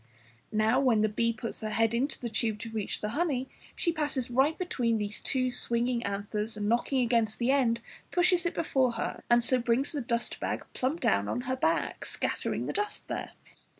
Now, when the bee puts her head into the tube to reach the honey, she passes right between these two swinging anthers, and knocking against the end pushes it before her and so brings the dust bag plump down on her back, scattering the dust there!